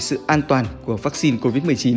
sự an toàn của vaccine covid một mươi chín